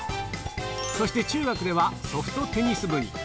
そして中学ではソフトテニス部に。